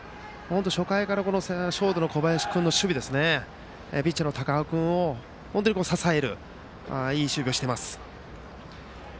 初回からショートの小林君の守備はピッチャーの高尾君を支えるいい守備をしています。